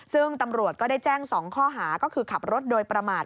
ซึ่งตำรวจก็ได้แจ้ง๒ข้อหาก็คือขับรถโดยประมาท